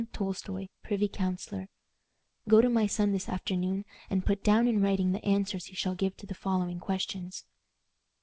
TOLSTOI, PRIVY COUNSELOR: "Go to my son this afternoon, and put down in writing the answers he shall give to the following questions: "I.